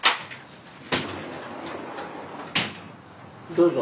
どうぞ。